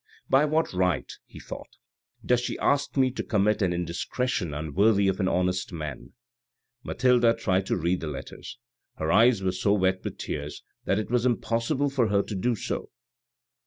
" By what right," he thought, "does she ask me to commit an indiscretion unworthy of an honest man?" Mathilde tried to read the letters ; her eyes were so wet with tears that it was impossible for her to do so.